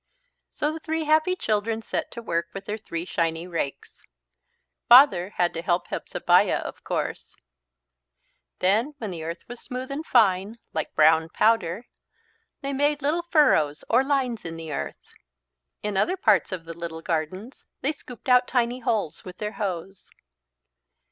So the three happy children set to work with their three shiny rakes. Father had to help Hepzebiah, of course. Then when the earth was smooth and fine, like brown powder, they made little furrows or lines in the earth. In other parts of the little gardens they scooped out tiny holes with their hoes.